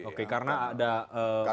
oke karena ada populasi tadi